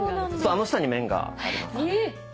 あの下に麺があります。